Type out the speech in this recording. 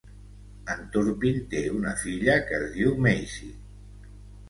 En Turpin té una filla que es diu Maisie.